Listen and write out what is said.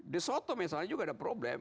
di soto misalnya juga ada problem